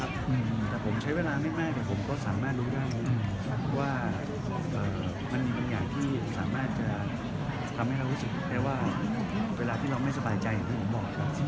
แต่ผมใช้เวลาไม่มากแต่ผมก็สามารถรู้ได้ว่ามันมีบางอย่างที่สามารถจะทำให้เรารู้สึกได้ว่าเวลาที่เราไม่สบายใจอย่างที่ผมบอกครับ